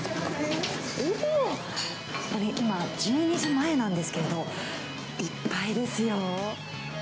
今、１２時前なんですけど、いっぱいですよ。